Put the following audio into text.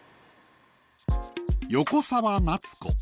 横澤夏子。